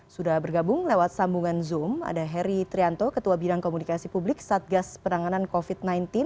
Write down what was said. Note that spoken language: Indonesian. sudah bergabung lewat sambungan zoom ada heri trianto ketua bidang komunikasi publik satgas penanganan covid sembilan belas